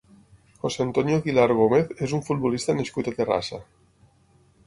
José Antonio Aguilar Gómez és un futbolista nascut a Terrassa.